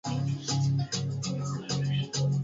Waweza kupika vyakula vingine mbalimbali kama biskuti